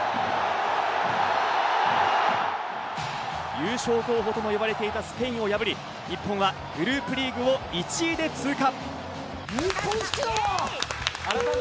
優勝候補とも言われていたスペインを破り、日本はグループリーグを１位で通過。